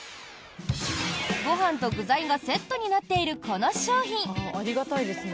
ご飯と具材がセットになっているこの商品。